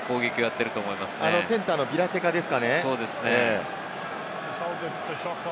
センターのビラセカですかね。